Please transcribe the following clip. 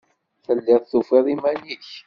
Telliḍ tufiḍ iman-nnek.